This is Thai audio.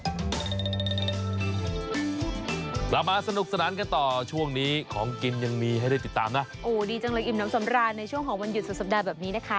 กลับมาสนุกสนานกันต่อช่วงนี้ของกินยังมีให้ได้ติดตามนะโอ้ดีจังเลยอิ่มน้ำสำราญในช่วงของวันหยุดสุดสัปดาห์แบบนี้นะคะ